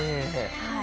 はい。